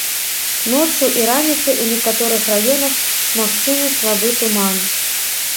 Ноччу і раніцай у некаторых раёнах магчымы слабы туман.